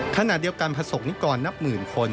ขณะเดียวกันประสบนิกรนับหมื่นคน